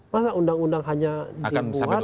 masa undang undang hanya dibuat